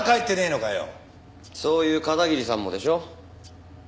そういう片桐さんもでしょ。